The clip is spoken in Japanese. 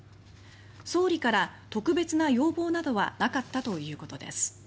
総理から特別な要望などはなかったということです。